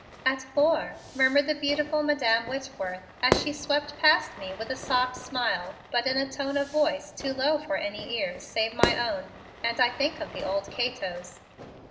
"At four," murmured the beautiful Madam Whitworth as she swept past me with a soft smile but in a tone of voice too low for any ears save my own and I think of the old Cato's.